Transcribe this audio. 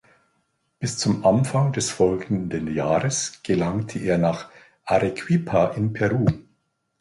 Bis zum Anfang des folgenden Jahres gelangte er nach Arequipa in Peru.